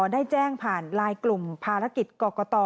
ได้แจ้งผ่านไลน์กลุ่มภารกิจกรกต